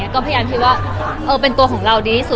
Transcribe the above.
ก็พยายามคิดว่าเป็นตัวของเราดีที่สุด